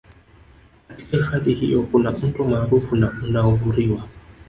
Katika hifadhi hiyo kuna Mto maarufu na unaovuriwa